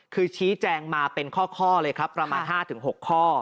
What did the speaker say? คือชี้แจงมาเป็นข้อเลยครับประมาณ๕๖ข้อ